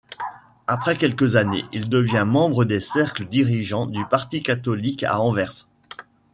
Après quelques années, il devient membre des cercles dirigeants du Parti Catholique à Anvers.